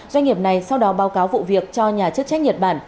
doanh nghiệp này sau đó báo cáo vụ việc cho nhà chức trách nhật bản